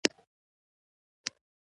ډرامه د خلکو غږ پورته کوي